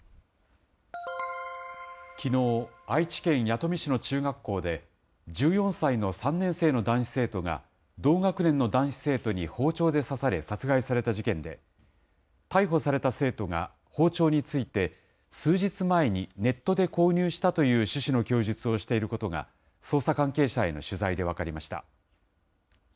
きのう、愛知県弥富市の中学校で、１４歳の３年生の男子生徒が、同学年の男子生徒に包丁で刺され殺害された事件で、逮捕された生徒が包丁について、数日前にネットで購入したという趣旨の供述をしていることが、捜査関係者への取材で分かりました。